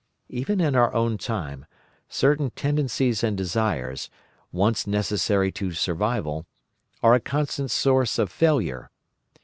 Even in our own time certain tendencies and desires, once necessary to survival, are a constant source of failure.